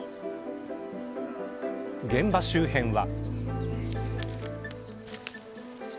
現場周辺は。